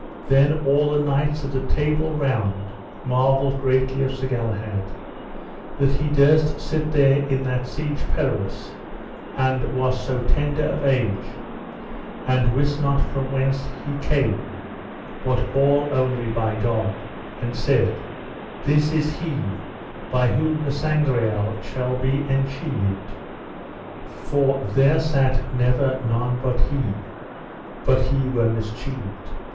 Then all the knights of the Table Round marvelled greatly of Sir Galahad, that he durst sit there in that Siege Perilous, and was so tender of age; and wist not from whence he came but all only by God; and said: This is he by whom the Sangreal shall be enchieved, for there sat never none but he, but he were mischieved.